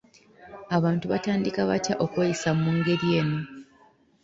Abantu batandika batya okweyisa mu ngeri eno?